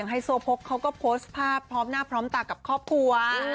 ไฮโซโพกเขาก็โพสต์ภาพพร้อมหน้าพร้อมตากับครอบครัว